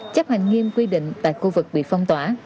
chấp hành nghiêm quy định tại khu vực bị phong tỏa